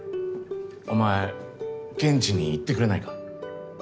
お前現地に行ってくれないか？